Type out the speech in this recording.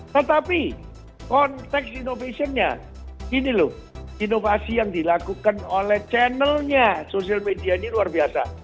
tetapi konteks innovationnya gini loh inovasi yang dilakukan oleh channelnya sosial media ini luar biasa